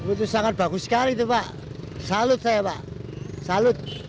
itu sangat bagus sekali pak salud saya pak salud